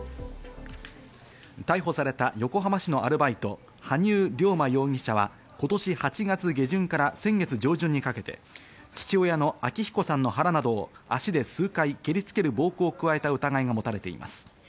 逮捕された横浜市のアルバイト、羽生竜馬容疑者は今年８月下旬から先月上旬にかけて父親の昭彦さんの腹などを足で数回蹴り付ける暴行を加えた疑いが持たれています。